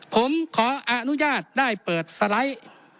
ผมขออนุญาตได้เปิดสไลด์